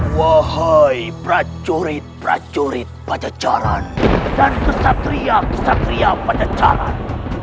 wahai prajurit prajurit pajajaran dan kesatria kesatria pada jalan